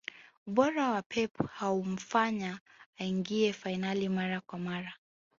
ubora wa pep haumfanya aingie fainali mara kwa mara